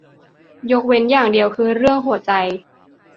ยกเว้นอย่างเดียวคือเรื่องหัวใจ